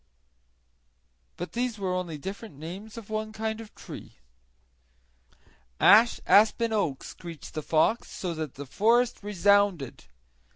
But all these were only different names of one kind of tree. "Ash, aspen, oak," screeched the fox, so that the forest resounded.